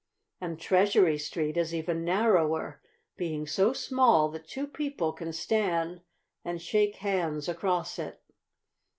And Treasury street is even narrower, being so small that two people can stand and shake hands across it.